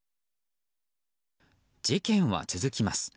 事件は続きます。